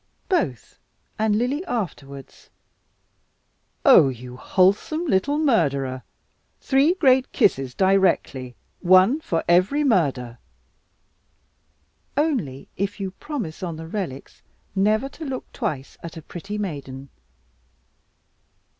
"Both; and Lily afterwards." "Oh you wholesale little murderer! Three great kisses directly, one for every murder." "Only if you promise, on the relics, never to look twice at a pretty maiden."